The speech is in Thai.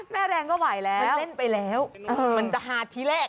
มันออกมาอยากมา